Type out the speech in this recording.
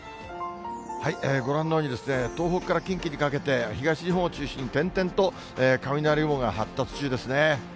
ご覧のように、東北から近畿にかけて、東日本を中心に点々と雷雲が発達中ですね。